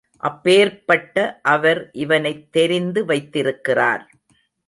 அப்பேர்ப்பட்ட அவர் இவனைத் தெரிந்து வைத்திருக்கிறார்.